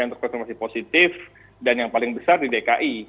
yang terkonfirmasi positif dan yang paling besar di dki